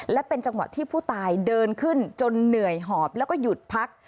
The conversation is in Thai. และเป็นจังหวะที่ผู้ตายเดินขึ้นจนเหนื่อยหอบแล้วก็หยุดพัก